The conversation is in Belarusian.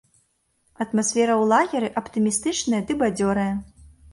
Атмасфера ў лагеры аптымістычная ды бадзёрая.